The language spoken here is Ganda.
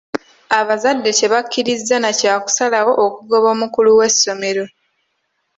Abazadde tebakkirizza na kya kusalawo okokugoba omukulu w'essomero.